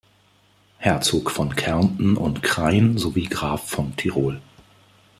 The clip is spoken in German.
Herzog von Kärnten und Krain sowie Graf von Tirol.